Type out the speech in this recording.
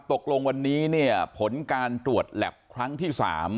ตกลงวันนี้เนี่ยผลการตรวจแล็บครั้งที่๓